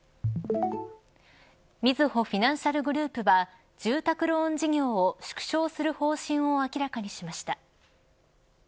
みずほフィナンシャルグループは住宅ローン事業を縮小する方針を明らかにしました。